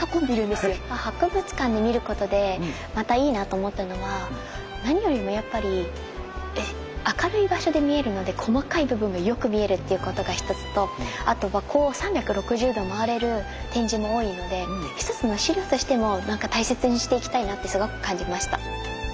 博物館で見ることでまたいいなと思ったのは何よりもやっぱり明るい場所で見えるので細かい部分がよく見えるっていうことが一つとあとはこう３６０度回れる展示も多いので１つの資料としても大切にしていきたいなってすごく感じました。